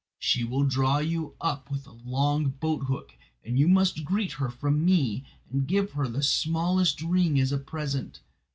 She will draw you up with a long boat hook, and you must greet her from me, and give her the smallest ring as a present.